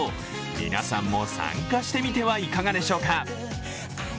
皆さんも参加してみてはいかがでしょうか。